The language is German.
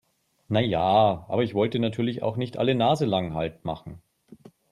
Na ja, aber ich wollte natürlich auch nicht alle naselang Halt machen.